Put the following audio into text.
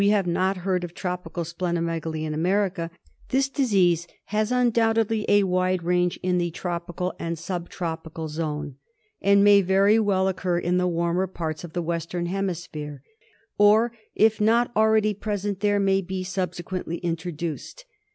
have not heard of tro pical spleno megaly in America, this disease has undoubt edly a wide range in the tropical and sub tropical zone, and may very well occur in the warmer parts of the Western Hemisphere ; or, if not already present there, may be subsequently introduced.